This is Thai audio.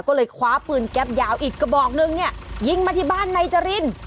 ก็เลยคว้าปืนแก๊ปยาวอีกกระบอกนึงเนี่ยยิงมาที่บ้านนายจริน